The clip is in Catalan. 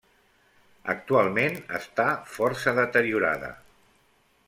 Actualment està força deteriorada.